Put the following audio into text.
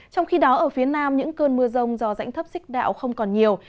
trong khi đó ở phía nam những cơn mưa rông do rãnh thấp xích đạo không còn nhiều